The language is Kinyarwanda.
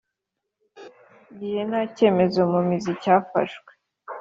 Gihe nta cyemezo mu mizi cyafashwe